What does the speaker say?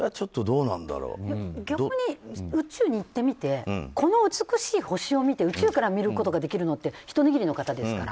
逆に宇宙に行ってみてこの美しい星を見て宇宙から見ることができるのってひと握りの方ですから。